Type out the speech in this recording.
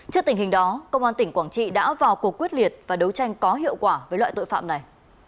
trước tình hình đó công an tỉnh quảng trị đã vào cuộc quyết liệt và đấu tranh có hiệu quả với loại tội phạm này